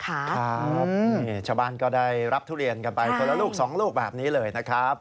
ครับนี่ชาวบ้านก็ได้รับทุเรียนกันไปคนละลูกสองลูกแบบนี้เลยนะครับ